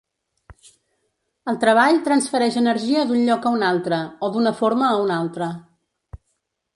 El treball transfereix energia d'un lloc a un altre, o d'una forma a una altra.